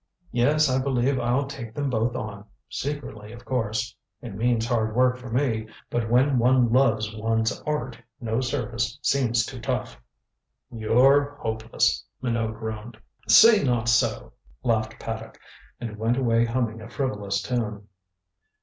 Yes, I believe I'll take them both on secretly, of course. It means hard work for me, but when one loves one's art, no service seems too tough." "You're hopeless," Minot groaned. "Say not so," laughed Paddock, and went away humming a frivolous tune.